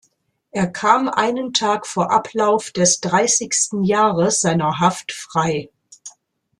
Er kam einen Tag vor Ablauf des dreißigsten Jahres seiner Haft frei.